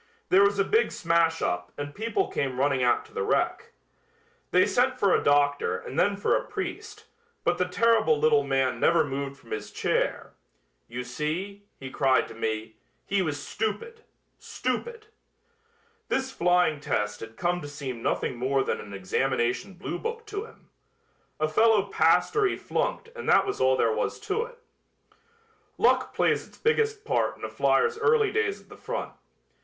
There was a big smash up and people came running out to the wreck. They sent for a doctor and then for a priest, but the terrible little man never moved from his chair. 'You see,' he cried to me, 'he was stupid! stupid!' This flying test had come to seem nothing more than an examination bluebook to him. A fellow passed or he flunked and that was all there was to it." Luck plays its biggest part in a flier's early days at the front.